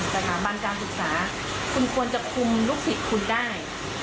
สถาบันการศึกษาคุณควรจะคุมลูกศิษย์คุณได้